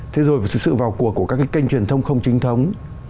thế rồi sự sự vào cuộc của các cái kênh truyền thông không chính thống